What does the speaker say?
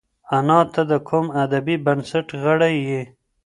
ایا ته د کوم ادبي بنسټ غړی یې؟